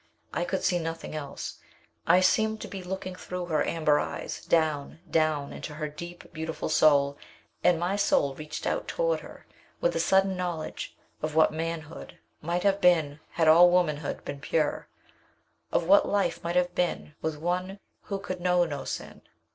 I could see nothing else. I seemed to be looking through her amber eyes, down, down into her deep beautiful soul, and my soul reached out toward her, with a sudden knowledge of what manhood might have been had all womanhood been pure; of what life might have been with one who could know no sin.